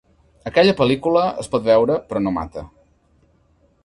Aquella pel·lícula es pot veure, però no mata.